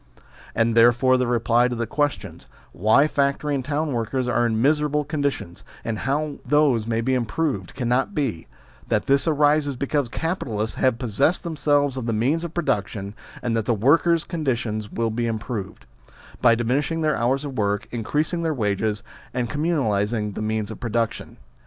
And therefore the reply to the questions, why factory and town workers are in miserable con ditions, and how those may be improved, cannot be, that this arises because capitalists have pos sessed themselves of the means of production, and that the workers' condition will be improved : by diminishing their hours of work, increasing their wages, and communalising the means of produc tion.